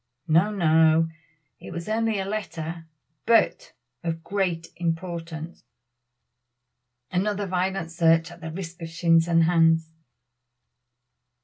"No! no! it was only a letter, but of great importance." Another violent search at the risk of shins and hands.